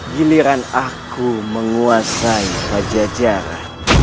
giliran aku menguasai pajajara